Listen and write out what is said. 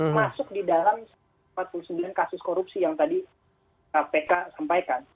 masuk di dalam empat puluh sembilan kasus korupsi yang tadi kpk sampaikan